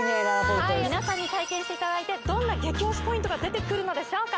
はい皆さんに体験していただいてどんな激おしポイントが出てくるのでしょうか？